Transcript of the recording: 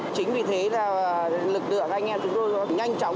chính vì thế là lực lượng anh em chúng tôi nhanh chóng